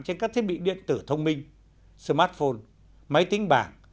trên các thiết bị điện tử thông minh smartphone máy tính bảng